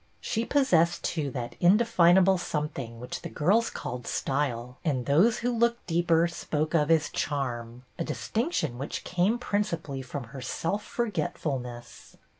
She possessed, too, that indefinable some thing which the girls called "style," and those who looked deeper spoke of as " charm," a distinction which came princi pally from her self forgetfulness.